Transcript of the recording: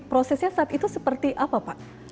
prosesnya saat itu seperti apa pak